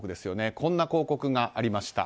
こんな広告がありました。